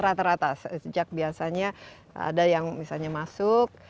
rata rata sejak biasanya ada yang misalnya masuk